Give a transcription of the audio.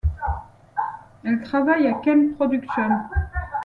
Elle travaille à Ken Production.